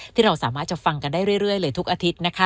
ที่เราสามารถจะฟังกันได้เรื่อยเลยทุกอาทิตย์นะคะ